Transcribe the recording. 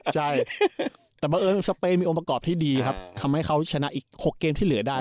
ใช่แต่บังเอิญสเปนมีองค์ประกอบที่ดีครับทำให้เขาชนะอีก๖เกมที่เหลือได้